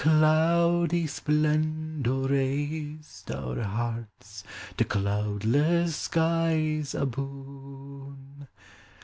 277 The cloud v splendor raised our hearts To cloudless skies a boon.